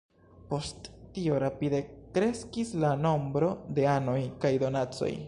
Post tio rapide kreskis la nombro de anoj kaj donacoj.